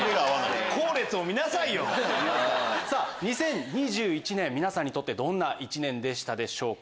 ２０２１年皆さんにとってどんな一年でしたでしょうか？